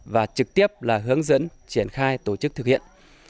và trực tiếp là hướng dẫn triển khai tổ chức thực hiện